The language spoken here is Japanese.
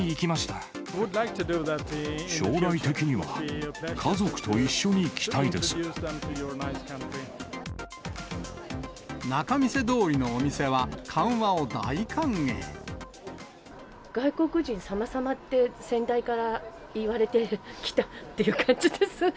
将来的には、家族と一緒に来仲見世通りのお店は、緩和を外国人様様って、先代から言われてきたっていう感じです。